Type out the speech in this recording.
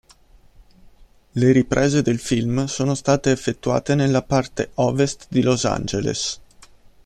Le riprese del film sono state effettuate nella parte ovest di Los Angeles.